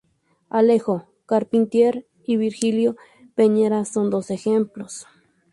Alejo Carpentier y Virgilio Piñera son dos ejemplos.